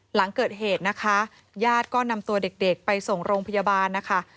หลังเกิดเหตุนะคะญาติก็นำตัวเด็กไปส่งโรงพยาบาลนะคะ